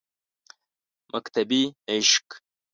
مکتبِ عشق